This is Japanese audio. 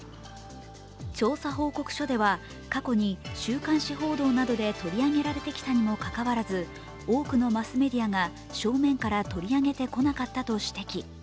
調査報告書では、過去に週刊誌報道などで取り上げられてきたにもかかわらず、多くのマスメディアが正面から取り上げてこなかったと指摘。